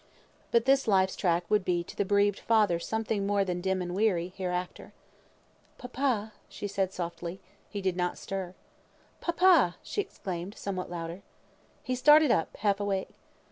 But this life's track would be to the bereaved father something more than dim and weary, hereafter. "Papa," said she, softly. He did not stir. "Papa!" she exclaimed, somewhat louder. He started up, half awake.